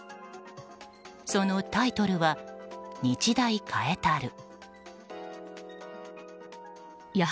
そのタイトルは「日大変えたる」。